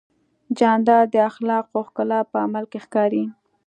جانداد د اخلاقو ښکلا په عمل کې ښکاري.